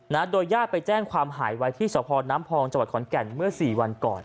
นะฮะโดยย่าไปแจ้งความหายไว้ที่สพน้ำพองจขอนแก่นเมื่อสี่วันก่อน